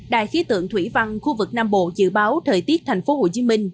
đài khí tượng thủy văn khu vực nam bộ dự báo thời tiết thành phố hồ chí minh